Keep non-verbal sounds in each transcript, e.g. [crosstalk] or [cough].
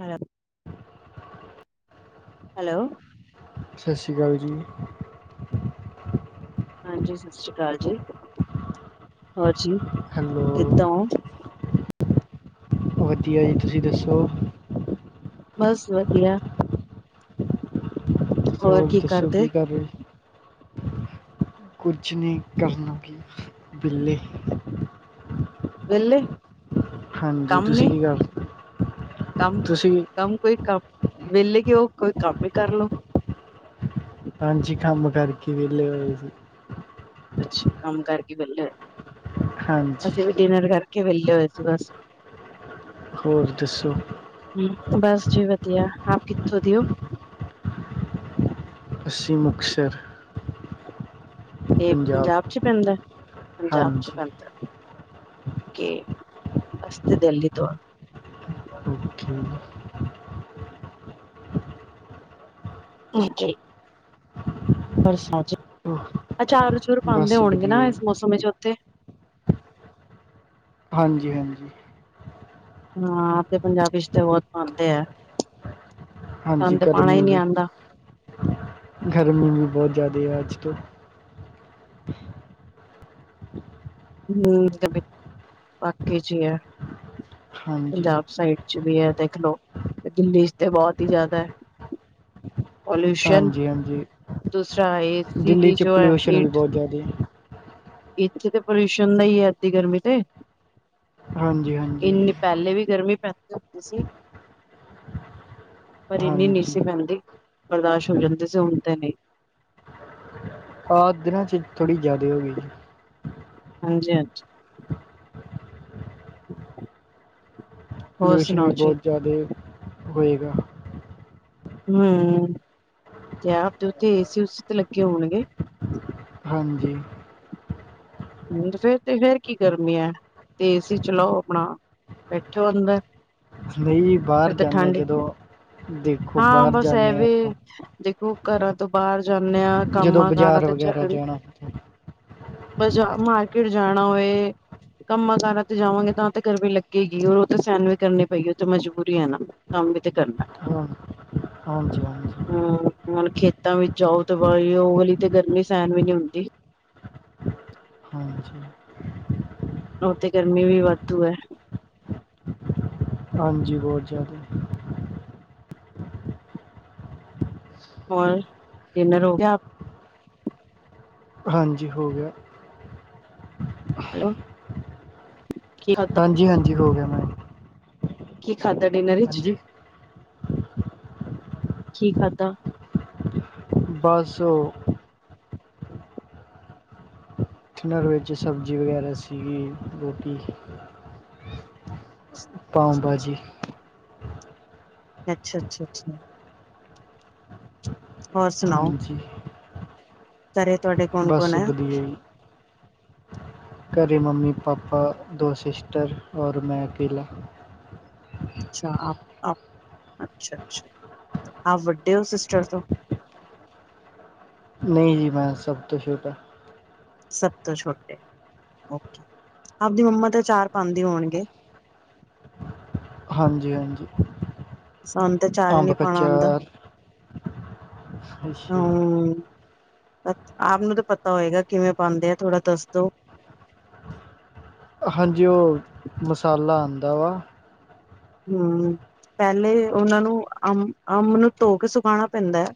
Hello [unintelligible] hello ਸਤਿ ਸ੍ਰੀ ਅਕਾਲ ਜੀ ਹਾਂਜੀ, ਸਤਿ ਸ਼੍ਰੀ ਅਕਾਲ ਜੀ, ਹੋਰ ਜੀ ਹੈਲੋ ਕਿੱਦਾਂ ਹੋ ਵਧੀਆ ਜੀ, ਤੁਸੀਂ ਦੱਸੋ ਬਸ ਵਧੀਆ ਹੋਰ ਦੱਸੋ, ਕੀ ਕਰ ਰਹੇ ਔ ਕੁਝ ਨੀ, ਕਰਨਾ ਕੀ, ਵੇਲੇੇ ਵੈਲੇ ਹਾਂਜੀ, ਤੁਸੀਂ ਕੀ ਕਰ ਰੇ, ਕੰਮ ਤੁਸੀਂ ਕੰਮ ਕੋਈ ਕੰਮ, ਵਿੇਲੇ ਕਿਉਂ, ਕੋਈ ਕੰਮ ਹੀ ਕਰ ਲੋ ਹਾਂਜੀ, ਕੰਮ ਕਰਕੇ ਵੇਹਲੇ ਹੋਏ ਸੀ ਅੱਛਾ ਕੰਮ ਕਰਕੇ ਵੇਲੇ ਹੋਏ ਸੀ, ਹਾਂਜੀ ਅਸੀਂ ਵੀ ਡਿਨਰ ਕਰਕੇ ਵੇਹਲੇ ਹੋਏ ਸੀ ਬਸ ਹੋਰ ਦੱਸੋ ਹੂ, ਬਸ ਜੀ ਵਧੀਆ, ਆਪ ਕਿੱਥੋਂ ਦਿਓ ਅਸੀ ਮੁਕਤਸਰ ਏ ਪੰਜਾਬ ਚ ਪੈਂਦਾ, ਪੰਜਾਬ ਚ ਹਾਂਜੀ ਪੈਂਦਾ ਕੀ, ਅਸੀ ਤੇ ਦਿੱਲੀ ਤੋਂ ਆ ਹ [inaudible] ਹਾਂਜੀ ਬਰਸਾਤ ਚ, ਓਹ ਅਚਾਰ ਅਚੂਰ ਪਾਉਦੇ ਬਸ ਹੋਣਗੇ ਨਾ ਵਧੀਆ ਜੀ ਇਸ ਮੌਸਮ ਵਿੱਚ ਉੱਥੇ ਹਾਂਜੀ ਹਾਂਜੀ ਹਾਂ ਆਪਣੇ ਪੰਜਾਬ ਇਚ ਤੇ ਬਹੁਤ ਪਾਂਦੇ ਐ, ਹਾਂਜੀ ਸਾਨ ਤੇ ਪਾਉਣਾ ਗਰਮੀ ਹੀ ਨੀ ਵੀ ਆਂਦਾ ਗਰਮੀ ਵੀ ਬਹੁਤ ਜ਼ਾਦੀ ਐ, ਅੱਜ ਤੋਂ ਹੂ, ਬਾਕੀ ਚ ਏ ਹੈ, ਹਾਂਜੀ ਪੰਜਾਬ ਸਾਈਡ ਵੀ ਹੈ ਦੇਖਲੋ, ਦਿੱਲੀ ਚ ਤੇ ਬਹੁਤ ਹੀ ਜ਼ਾਦਾ ਐ। ਪੋਲਿਊਸ਼ਨ, ਹਾਂਜੀ ਹਾਂਜੀ ਦੂਸਰਾ ਏ ਸੀ ਦਿੱਲੀ ਦੀ 'ਚ ਜੋ ਹੈ, ਪੋਲਿਊਸ਼ਨ ਵੀ ਹੀਟ ਬਹੁਤ ਜ਼ਿਆਦਾ ਹੈ। ਇੱਥੇ ਤਾਂ ਪੋਲਿਊਸ਼ਨ ਦਾ ਈ ਏ, ਅੱਧੀ ਗਰਮੀ ਤੇ ਹਾਂਜੀ, ਹਾਂਜੀ ਪਹਲੇ ਵੀ ਗਰਮੀ ਪੈਂਦੀ ਹੁੰਦੀ ਸੀ ਪਰ ਇੰਨੀ ਨੀ ਹਾਂਜੀ ਸੀ ਪੈਂਦੀ, ਬਰਦਾਸ਼ ਹੋ ਜਾਂਦੀ ਸੀ, ਹੁਣ ਤੇ ਨੀ ਆ ਦਿਨਾਂ ਚ ਥੋੜ੍ਹੀ ਜਾਦਾ ਈ ਹੋ ਗੀ, ਜੀ ਹਾਂਜੀ, ਹਾਂਜੀ ਹੋਰ ਪੋਲਿਊਸ਼ਨ ਵੀ ਸੁਣਾਓ ਜੀ ਬਹੁਤ ਜ਼ਾਦੇ ਹੋਏਗਾ ਹੂੰ, ਤੇ ਆਪ ਉੱਥੇ ਏ ਸੀ, ਉ ਸੀ ਤੇ ਲੱਗੇ ਹੋਣਗੇ ਹਾਂਜੀ ਹੂ, ਫੇਰ ਤੇ ਫੇਰ ਕੀ ਗਰਮੀ ਐ, ਏ ਸੀ ਚਲਾਓ ਆਪਣਾ ਬੈਠੋ ਅੰਦਰ ਨਈ ਬਾਹਰ ਫਿਰ ਤੇ ਜਾਂ ਨੇ ਠੰਡ ਜਦੋਂ, ਦੇਖੋ ਹਾਂ ਬਾਹਰ ਬਸ ਜਾਂਨੇ ਆ ਐਵੇ ਆਪਾਂ ਦੇਖੋ ਘਰਾਂ ਤੋਂ ਬਾਹਰ ਜਾਂਨੇ ਆ ਜਦੋਂ ਕੰਮਾਂ ਕਾਰਾਂ ਬਾਜ਼ਾਰ ਤੇ [inaudible] ਬਾਜ਼ਾਰ ਮਾਰਕੇਟ ਜਾਣਾ ਓਏ ਕੰਮਾਂ ਕਾਰਾਂ ਤੇ ਜਾਵਾਂਗੇ ਤਾਂ ਤੇ ਗਰਮੀ ਲੱਗੇਗੀ ਉਹ ਤਾਂ ਸਾਨੂੰ ਵੀ ਕਰਨੀ ਪਏ ਗੀ ਉਹ ਤਾ ਮਜਬੂਰੀ ਏ ਨਾ ਕੰਮ ਤੇ ਕਰਨਾ ਹਾਂ ਹਾਂਜੀ, ਹਾਂਜੀ ਹੂ ਹੁਣ ਖੇਤਾਂ ਵਿੱਚ ਆਓ ਤੇ ਵਾਲੀ ਉਹ ਵਾਲੀ ਤੇ ਗਰਮੀ ਸੇਹਣ ਵੀ ਨੀ ਹੁੰਦੀ ਹਾਂਜੀ ਉਥੇ ਗਰਮੀ ਵੀ ਵਾਧੂ ਏ ਹਾਂਜੀ ਬਹੁਤ ਜਿਆਦਾ ਹੋਰ ਡਿਨਰ ਹੋ ਗਿਆ ਹਾਂਜੀ ਹੋ ਗਿਆ ਹੈਲੋ ਕੀ ਖਾਧਾ ਹਾਂਜੀ ਹਾਂਜੀ ਹੋ ਗਿਆ ਮੈਂ ਕੀ ਖਾਦਾ ਡਿਨਰ ਵਿੱਚ ਹਾਂਜੀ ਕੀ ਖਾਦਾ ਬਸ ਹੋ ਉਨਾ ਵਿੱਚ ਸਬਜ਼ੀ ਵਗੈਰਾ ਸੀਗੀ ਰੋਟੀ। ਪਾਓ ਭਾਜੀ, ਅੱਛਾ-ਅੱਛਾ ਅੱਛਾ, ਹੋਰ ਸੁਣਾਓ? ਹਾਂਜੀ ਘਰੇ ਤੁਹਾਡੇ ਕੌਣ ਕੌਣ ਬਸ ਹੈ ਵਧੀਆ ਜੀ। ਘਰੇ ਮੰਮੀ ਪਾਪਾ ਦੋ ਸਿਸਟਰ ਔਰ ਮੈਂ ਅਕੇਲਾ। ਅੱਛਾ ਅੱਛਾ, ਅੱਛਾ ਆਪ ਵੱਡੇ ਹੋ ਸਿਸਟਰ ਤੋਂ ਨਹੀਂ ਜੀ ਮੈਂ ਸਭ ਤੋਂ ਛੋਟਾ। ਸਭ ਤੋਂ ਛੋਟੇ ਓਕੇ ਆਪਦੀ ਮੰਮਾ ਤੇ ਚਾਰ ਪਾਂਦੇ ਹੋਣਗੇ। ਹਾਂਜੀ ਹਾਂਜੀ, ਸਾਨੂੰ ਤੇ ਚਾਰ ਹੀ ਅੰਬ ਨੀ ਪਾਣਾ ਆਉਂਦਾ ਕਚਾਰ ਅੱਛਾ ਜੀ। ਹੂ,,, ਆਪ ਨੂੰ ਤਾਂ ਪਤਾ ਹੋਏਗਾ ਕਿਵੇਂ ਪਾਉਂਦੇ ਆ ਥੋੜਾ ਦੱਸ ਦੋ ਹਾਂਜੀ ਉਹ ਮਸਾਲਾ ਆਉਂਦਾ ਵਾ। ਹੂ ਪਹਿਲੇ ਉਨਾਂ ਨੂੰ ਅੰਬ ਨੂੰ ਧੋ ਕੇ ਸੁਕਾਉਣਾ ਪੈਂਦਾ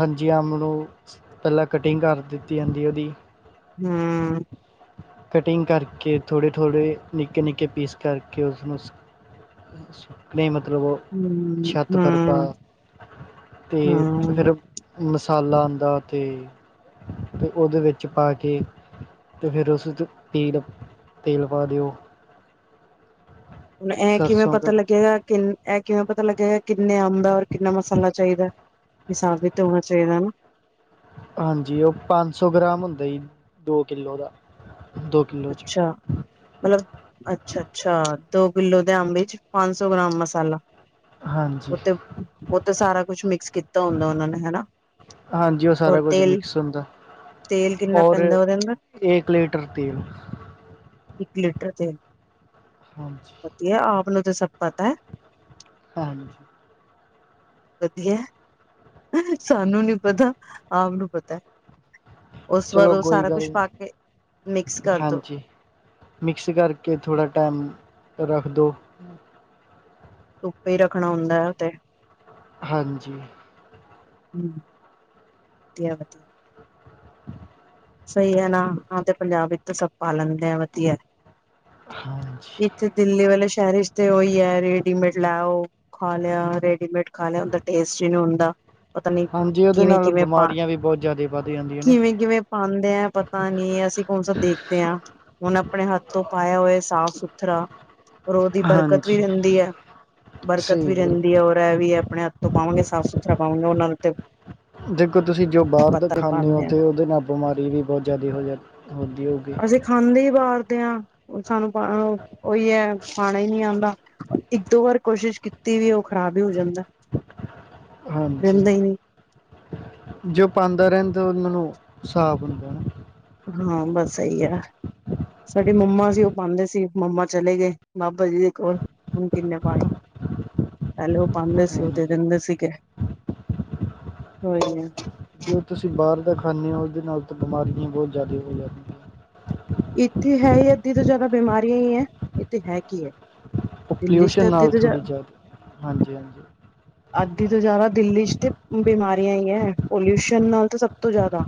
ਹਾਂਜੀ ਅੰਬ ਨੂੰ ਪਹਿਲਾਂ ਕਟਿੰਗ ਕਰ ਦਿੱਤੀ ਜਾਂਦੀ ਉਦੀ ਹੂ,,, ਕਟਿੰਗ ਕਰਕੇ ਥੋੜੇ ਥੋੜੇ ਨਿੱਕੇ ਨਿੱਕੇ ਪੀਸ ਕਰਕੇ ਉਸਨੂੰ ਨਹੀਂ ਮਤਲਬ ਉਹ ਹਮ ਛੱਤ ਪਰ ਪਾ ਹਮ ਤੇ ਹਮ ਫਿਰ ਮਸਾਲਾ ਆਂਦਾ ਤੇ ਤੇ ਉਹਦੇ ਵਿੱਚ ਪਾ ਕੇ ਤੇ ਫਿਰ ਉਸ ਠੀਕ ਹੈ ਤੇਲ ਪਾ ਦਿਓ। ਹੁਣ ਇਹ ਕਿਵੇਂ ਸਰਸੋਂ ਦਾ ਪਤਾ ਲੱਗੇਗਾ ਕਿੰਨਾ। ਇਹ ਕਿਵੇਂ ਪਤਾ ਲੱਗੇਗਾ ਕਿੰਨੇ ਅੰਬ ਹੈ ਔਰ ਕਿੰਨਾ ਮਸਾਲਾ ਚਾਹੀਦਾ ਹਿਸਾਬ ਵੀ ਹੋਣਾ ਚਾਹੀਦਾ ਹਨਾ। ਹਾਂਜੀ, ਉਹ ਪੰਜ ਸੌ ਗ੍ਰਾਮ ਹੁੰਦਾ ਜੀ ਦੋ ਕਿੱਲੋ ਦਾ ਦੋ। ਕਿੱਲੋ 'ਚ ਅੱਛਾ ਮਤਲਬ ਅੱਛਾ ਅੱਛਾ, ਦੋ ਕਿੱਲੋ ਦੇ ਅੰਬ ਚ ਪੰਜ ਸੌ ਗ੍ਰਾਮ ਮਸਾਲਾ ਹਾਂਜੀ ਉਹ ਤੇ ਉਹ ਤੇ ਸਾਰਾ ਕੁਛ ਮਿਕਸ ਕੀਤਾ ਹੁੰਦਾ ਉਹਨਾਂ ਨੇ ਹਨਾ। ਹਾਂਜੀ, ਉਹ ਸਾਰਾ ਹੋਰ ਕੁਝ ਤੇਲ ਮਿਕਸ ਹੁੰਦਾ ਤੇਲ ਕਿੰਨਾ ਹੋਰ ਪੈਂਦਾ ਉਹਦੇ ਅੰਦਰ ਇੱਕ ਲੀਟਰ ਤੇਲ ਇੱਕ ਲੀਟਰ ਤੇਲ ਅੱਛਾ। ਵਧੀਆ ਆਪ ਨੂੰ ਤਾਂ ਸਭ ਪਤਾ ਹੈ। ਹਾਂਜੀ, ਵਧੀਆ ਸਾਨੂੰ ਨੀ ਪਤਾ ਆਪ ਨੂੰ ਪਤਾ ਉਸ ਬਾਅਦ ਚਲੋ ਉਹ ਕੋਈ ਸਾਰਾ ਗੱਲ ਕੁਛ ਨੀ ਪਾ ਕੇ ਮਿਕਸ ਕਰਦੋ। ਹਾਂਜੀ ਮਿਕਸ ਕਰਕੇ ਥੋੜ੍ਹਾ ਟਾਈਮ ਰੱਖ ਦੋ। ਧੁੱਪੇ ਹੀ ਰੱਖਣਾ ਹੁੰਦਾ ਹੈ ਉ ਤੇ ਹਾਂਜੀ ਹੂੰ ਵਧੀਆ-ਵਧੀਆ ਸਹੀ ਹੈ ਨਾ ਹਾਂ ਤੇ ਪੰਜਾਬ ਵਿੱਚ ਸਭ ਪਾ ਲੈਂਦੇ ਆ ਵਧੀਆ। ਹਾਂਜੀ ਇੱਥੇ ਦਿੱਲੀ ਵਾਲੇ ਸ਼ਹਿਰ ਵਿਚ ਤੇ ਉਹੀ ਹੈ ਰੇਡੀਮੇਡ ਲੈ ਆਓ। ਖਾ ਲਿਆ ਰੈਡੀਮੇਡ ਖਾ ਲਿਆ ਉਹਦਾ ਟੇਸਟ ਹੀ ਨਹੀਂ ਹੁੰਦਾ। ਪਤਾ ਨੀ ਹਾਂਜੀ ਉਹਦੇ ਕਿਵੇਂ- ਨਾਲ ਕਿਵੇਂ ਪਾ ਬਿਮਾਰੀਆਂ ਵੀ ਬਹੁਤ ਜ਼ਿਆਦਾ ਵੱਧ ਜਾਂਦੀਆਂ ਨੇ ਕਿਵੇਂ -ਕਿਵੇਂ ਪਾਂਦੇ ਆ ਪਤਾ ਨੀ ਅਸੀਂ ਕੌਣ ਸਾ ਦੇਖਦੇ ਹਾਂ। ਹੁਣ ਆਪਣੇ ਹੱਥ ਤੋਂ ਪਾਇਆ ਹੋਇਆ ਸਾਫ਼ ਸੁਥਰਾ ਔਰ ਉਹਦੀ ਬਰਕਤ ਵੀ ਹਾਂਜੀ ਰਹਿੰਦੀ ਹੈ ਬਰਕਤ ਸਹੀ ਵੀ ਗੱਲ ਰਹਿੰਦੀ ਹੈ ਔਰ ਮੈਂ ਵੀ ਆਪਣੇ ਹੱਥ ਤੋਂ ਪਾਵਾਂਗੇ ਸਾਫ਼ ਸੁਥਰਾ ਪਾਵਾਂਗੇ ਉਹਨਾਂ ਦੇ ਦੇਖੋ ਤੁਸੀਂ ਜੋ ਬਾਹਰ ਦਾ ਖਾਂਣੇ ਹੋ ਪਾਂਦੇ ਆ। ਤਾਂ ਉਹਦੇ ਨਾਲ ਬਿਮਾਰੀ ਵੀ ਬਹੁਤ ਜ਼ਿਆਦਾ ਹੋ ਜਾ ਹੁੰਦੀ ਹੋਗੀ। ਤੇ ਖਾਂਣੇ ਹੀ ਬਾਹਰ ਦੇ ਹਾਂ ਸਾਨੂੰ ਉਹੀ ਹੈ ਖਾਣਾ ਹੀ ਨਹੀਂ ਆਂਦਾ। ਇੱਕ ਦੋ ਵਾਰ ਕੋਸ਼ਿਸ਼ ਕੀਤੀ ਵੀ ਉਹ ਖ਼ਰਾਬ ਹੀ ਹੋ ਜਾਂਦਾ। ਹਾਂਜੀ ਰਹਿੰਦਾ ਈ ਨੀ ਜੋ ਪਾਂਦਾ ਰਹਿਣ ਤਾਂ ਉਹਨਾਂ ਨੂੰ ਸਾਬ ਹੁੰਦਾ। ਹਾਂ ਬਸ ਸਹੀ ਹੈ। ਸਾਡੇ ਮੰਮਾ ਸੀ ਉਹ ਪਾਂਦੇ ਸੀ ਮੰਮਾ ਚਲੇ ਗਏ ਬਾਬਾ ਜੀ ਦੇ ਕੋਲ ਹੁਣ ਕਿੰਨੇ ਪਾਣਾ ਪਹਿਲੇ ਉਹ ਪਾਂਦੇ ਸੀ ਉਹ ਤੇ ਹਾਂਜੀ ਦਿੰਦੇ ਸੀਗੇ। ਕੋਈ ਨਾ ਜੋ ਤੁਸੀਂ ਬਾਹਰ ਦਾ ਖਾਂਣੇ ਹੋ ਉਹਦੇ ਨਾਲ ਤਾਂ ਬਿਮਾਰੀਆਂ ਬਹੁਤ ਜ਼ਿਆਦਾ ਹੋ ਜਾਂਦੀਆਂ। ਇੱਥੇ ਹੈ ਹੀ ਅੱਧੀ ਤੋਂ ਜ਼ਿਆਦਾ ਬਿਮਾਰੀਆਂ ਹੀ ਹੈ ਇੱਥੇ ਹੈ ਕੀ ਹੈ। ਉਹ ਦਿੱਲੀ ਚ ਪੋਲਿਊਸ਼ਨ ਤਾਂ ਅੱਧੀ ਨਾਲ ਤੋਂ ਥੋੜ੍ਹੀ ਜ਼ਿਆਦਾ ਹਾਂਜੀ- ਹਾਂਜੀ। ਅੱਧੀ ਤੋਂ ਜ਼ਿਆਦਾ ਦਿੱਲੀ 'ਚ ਤੇ ਬਿਮਾਰੀਆਂ ਹੀ ਹੈ ਪੋਲਿਊਸ਼ਨ ਨਾਲ ਤਾਂ ਸਭ ਤੋਂ ਜ਼ਿਆਦਾ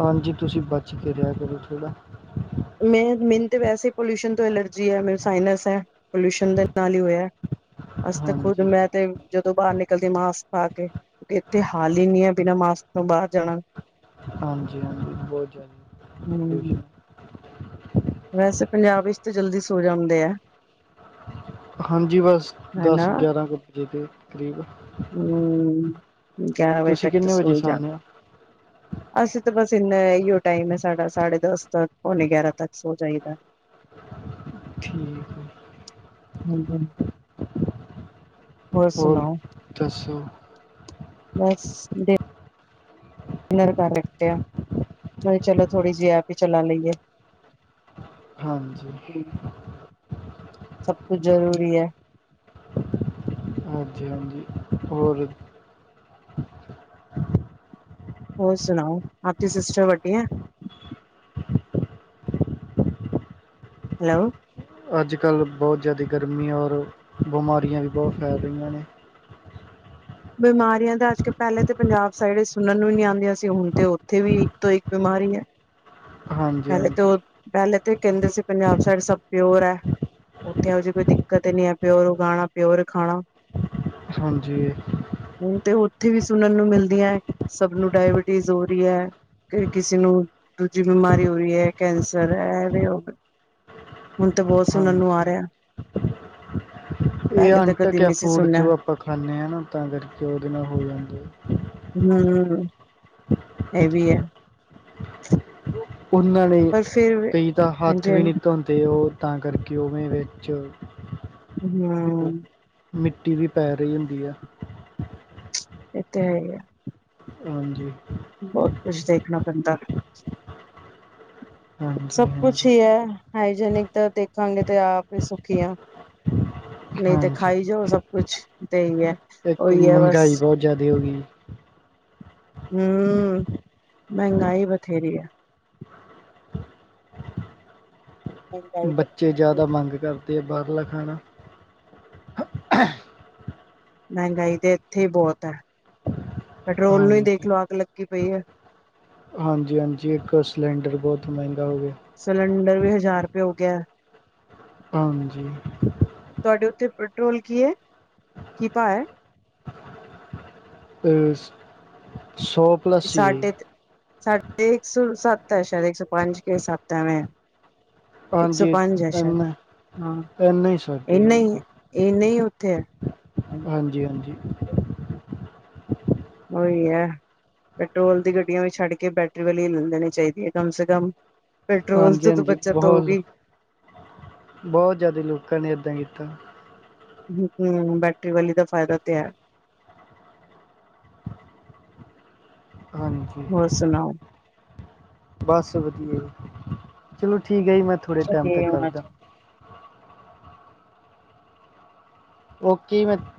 ਹਾਂਜੀ ਤੁਸੀਂ ਬਚ ਕੇ ਰਿਹਾ ਕਰੋ ਥੋੜ੍ਹਾ। ਮੈਂ ਮੈਨੂੰ ਤਾਂ ਵੈਸੇ ਪੋਲਿਊਸ਼ਨ ਤੋਂ ਐਲਰਜੀ ਹੈ ਮੇ ਸਾਇਨਸ ਹੈ ਪੋਲਿਊਸ਼ਨ ਦੇ ਨਾਲ ਹੀ ਹੋਇਆ। ਅਸੀ ਤੇ ਖੁਦ ਹਾਂਜੀ ਮੈਂ ਤੇ ਜਦੋਂ ਬਾਹਰ ਨਿਕਲਦੀ ਮਾਸਕ ਪਾ ਕੇ ਇੱਥੇ ਹਾਲ ਹੀ ਨੀ ਹੈ ਬਿਨਾਂ ਮਾਸਕ ਤੋਂ ਬਾਹਰ ਜਾਣਾ। ਹਾਂਜੀ- ਹਾਂਜੀ ਬਹੁਤ ਹਮ ਜ਼ਿਆਦਾ ਵੈਸੇ ਪੰਜਾਬ ਵਿੱਚ ਤਾਂ ਜਲਦੀ ਸੋ ਜਾਂਦੇ ਆ। ਹਾਂਜੀ ਬਸ ਦਸ ਹਨਾ ਗਿਆਰਾਂ ਕੁ ਵਜੇ ਦੇ ਕਰੀਬ ਹੂੰ ਗਿਆਰਾਂ ਵਜੇ ਤੁਸੀਂ ਤੱਕ ਤਾਂ ਕਿੰਨੇ ਵਜੇ ਸੋ ਜਾਂਦੇ। ਸੌਂਦੇ ਹੋ ਅਸੀਂ ਤਾਂ ਬਸ ਇੰਨਾ ਇਹੀਓ ਟਾਈਮ ਹੈ ਸਾਡਾ ਸਾਢੇ ਦਸ ਤ ਪੌਣੇ ਗਿਆਰਾਂ ਤੱਕ ਸ ਜਾਈਦਾ। ਠੀਕ ਆ। ਹਾਂਜੀ ਹੋਰ ਸੁਣਾਓ। ਦੱਸੋ। ਬਸ ਦੇਖ ਨਰ ਘਰ ਰੱਖਿਆ ਮੈਂ ਕਿਹਾ ਚਲੋ ਥੋੜ੍ਹੀ ਜਿਹੀ ਐਪ ਹੀ ਚਲਾ ਲਈਏ। ਹਾਂਜੀ ਸਭ ਕੁਛ ਜ਼ਰੂਰੀ ਹੈ। ਹਾਂਜੀ- ਹਾਂਜੀ ਹੋਰ ਹੋਰ ਸੁਣਾਓ ਆਪਦੀ ਸਿਸਟਰ ਵੱਡੀ ਆ। ਹੈਲੋ ਅੱਜ ਕੱਲ੍ਹ ਬਹੁਤ ਜ਼ਿਆਦਾ ਗਰਮੀ ਔਰ ਬਿਮਾਰੀਆਂ ਵੀ ਬਹੁਤ ਫੈਲ ਰਹੀਆਂ ਨੇ। ਬਿਮਾਰੀਆਂ ਦਾ ਅੱਜ ਕਲ ਪਹਿਲੇ ਤਾਂ ਪੰਜਾਬ ਸਾਈਡ ਸੁਣਨ ਨੂੰ ਨੀ ਆਉਂਦੀਆਂ ਸੀ ਹੁਣ ਤੇ ਉੱਥੇ ਵੀ ਇੱਕ ਤੋਂ ਇੱਕ ਬਿਮਾਰੀ ਹੈ। ਹਾਂਜੀ ਪਹਿਲੇ ਤੇ ਹਾਂਜੀ ਉਹ ਪਹਿਲੇ ਤਾਂ ਕਹਿੰਦੇ ਸੀ ਪੰਜਾਬ ਸਾਈਡ ਸਭ ਪਿਓਰ ਹੈ। ਉੱਥੇ ਇਹੋ ਜਿਹੀ ਕੋਈ ਦਿੱਕਤ ਨਹੀਂ ਹੈ ਪਿਓਰ ਉਗਾਉਣਾ ਪਿਓਰ ਖਾਣਾ ਹਾਂਜੀ। ਹੁਣ ਤੇ ਉੱਥੇ ਵੀ ਸੁਣਨ ਨੂੰ ਮਿਲਦੀਆਂ, ਸਭ ਨੂੰ ਡਾਇਬਿਟੀਜ਼ ਹੋ ਰਹੀ ਹੈ। ਫਿਰ ਕਿਸੇ ਨੂੰ ਦੂਜੀ ਬਿਮਾਰੀ ਕੈਂਸਰ ਐ ਵੈ ਹੁਣ ਤਾਂ ਬਹੁਤ ਸੁਣਨ ਨੂੰ ਆ ਹਾਂਜੀ ਰਿਹਾ [unintelligible] ਇਹ ਪਹਿਲੇ ਤਾਂ ਕਦੇ ਅੰਟਕ ਨਹੀਂ ਸੀ ਫੂਡ ਸੁਣਿਆ ਜੋ ਆਪਾਂ ਖਾਂਦੇ ਹਾਂ ਨਾ ਤਾਂ ਕਰਕੇ ਉਹਦੇ ਨਾਲ ਹੋ ਜਾਂਦੇ ਆ ਹਮ ਇਹ ਵੀ ਹੈ। ਉਹਨਾਂ ਨੇ, ਪਰ ਫਿਰ ਕਈ ਤਾਂ ਹੱਥ ਹਾਂਜੀ ਵੀ ਨਹੀਂ ਧੋਂਦੇ ਉਹ ਤਾਂ ਕਰਕੇ ਉਵੇਂ ਵਿੱਚ ਹਮ ਮਿੱਟੀ ਵੀ ਪੈ ਰਹੀ ਹੁੰਦੀ ਆ! ਇਹ ਤੇ ਹੈ ਹੀ ਆ ਹਾਂਜੀ। ਬਹੁਤ ਕੁਛ ਦੇਖਣਾ ਪੈਂਦਾ। ਹਾਂਜੀ ਸਭ ਕੁਛ ਹਾਂਜੀ ਹੀ ਹੈ ਹਾਈਜੇਨਿਕ ਤਾਂ ਦੇਖਾਂਗੇ ਤੇ ਆਪ ਹੀ ਸੁਖੀ ਹੈ ਨਹੀਂ ਤੇ ਹਾਂਜੀ ਖਾਈ ਜੋ ਸਭ ਕੁਛ, ਤੇ ਹੀ ਹੈ ਇੱਕ ਉਹੀ ਹੈ ਬਸ ਮਹਿੰਗਾਈ ਬਹੁਤ ਜਿਆਦਾ ਹੋ ਗਈ ਹਮ, ਮਹਿੰਗਾਈ ਬਥੇਰੀ ਹੈ ਬੱਚੇ ਮਹਿੰਗਾਈ ਜ਼ਿਆਦਾ ਮੰਗ ਕਰਦੇ ਆ ਬਾਹਰਲਾ ਖਾਣਾ ਮਹਿੰਗਾਈ ਤੇ ਇੱਥੇ ਹੀ ਬਹੁਤ ਹੈ, ਪੈਟਰੋਲ ਨੂੰ ਹੀ ਦੇਖ ਹਾਂਜੀ ਲਓ ਅਗ ਲੱਗੀ ਪਈ ਹੈ ਹਾਂਜੀ- ਹਾਂਜੀ ਇੱਕ ਸਿਲੰਡਰ ਬਹੁਤ ਮਹਿੰਗਾ ਹੋ ਗਿਆ ਸਿਲੰਡਰ ਵੀ ਹਜ਼ਾਰ ਰੁਪਏ ਹੋ ਗਿਆ ਹਾਂਜੀ ਤੁਹਾਡੇ ਉੱਤੇ ਪੈਟਰੋਲ ਕੀ ਹੈ, ਕੀ ਭਾਅ ਹੈ ਸੋਭ [unintelligible] ਸਾਡੇ ਸਾਡੇ ਇੱਕ ਸੌ ਸੱਤ ਹੈ ਸ਼ਾਇਦ ਇੱਕ ਸੌ ਪੰਜ ਕੇ ਸੱਤ ਹੈ ਐਵੇਂ ਆ ਇੱਕ ਸੌ ਹਾਂਜੀ ਪੰਜ ਸ਼ਾਇਦ ਇੰਨਾ ਹਾਂ ਇੰਨਾ ਹੀ ਸਾਡੇ ਇੰਨੇ ਹੀਂ ਹੋਊਗਾ ਇੰਨੇ ਹੀਂ ਉੱਥੇ ਹਾਂਜੀ- ਹਾਂਜੀ ਉਹੀ ਹੈ ਪੈਟਰੋਲ ਦੀ ਗੱਡੀਆਂ ਵੀ ਛੱਡ ਕੇ ਬੈਟਰੀ ਵਾਲੀ ਲੈ ਲੈਣੀ ਚਾਹੀਦੀ ਹੈ ਕਮ ਸੇ ਕਮ। ਪੈਟਰੋਲ ਹਾਂਜੀ ਤੋਂ ਹਾਂਜੀ ਬੱਚਤ ਬਹੁਤ ਹੋਊਗੀ ਬਹੁਤ ਜ਼ਿਆਦਾ ਲੋਕਾਂ ਨੇ ਏਦਾਂ ਕੀਤਾ। ਹਮ ਬੈਟਰੀ ਵਾਲੀ ਦਾ ਫਾਇਦਾ ਤੇ ਹੈ ਹਾਂਜੀ ਹੋਰ ਸੁਣਾਓ ਬਸ ਵਧੀਆ ਜੀ, ਚਲੋ ਠੀਕ ਹੈ ਜੀ ਮੈਂ ਥੋੜ੍ਹੇ ਟਾਈਮ ਅੱਗੇ ਤੱਕ ਹੋਣਾ ਕਰਦਾ ਚਾਹੀਦਾ ਉਹਓ ਕੀ ਮੈਂ [unintelligible]